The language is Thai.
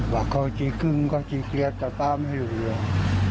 ว่าเขาจะกึ้งก็จะเกลียดแต่เปล่าไม่รู้เลย